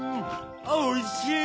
おいしい！